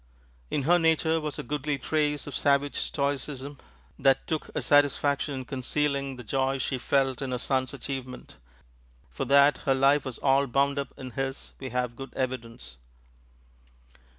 In her nature was a goodly trace of savage stoicism that took a satisfaction in concealing the joy she felt in her son's achievement; for that her life was all bound up in his we have good evidence.